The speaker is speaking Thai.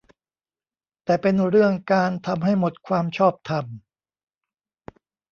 แต่เป็นเรื่องการ ทำให้หมดความชอบธรรม